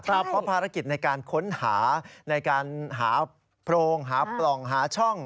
เพราะภารกิจในการค้นหาในการหาโพรงหาปล่องหาช่อง